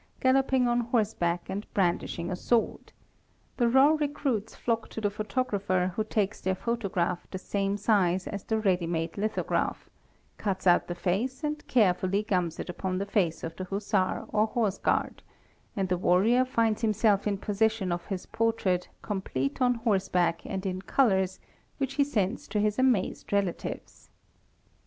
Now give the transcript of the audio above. galloping on horseback and brandishing a sword ; t raw recruits flock to the photographer who takes their photograph t same size as the ready made lithograph, cuts out the face and car oft 1 gums it upon the face of the hussar or horseguard, and the war finds himself in possession of his portrait complete on horseback and colours, which he sends to his amazed relatives.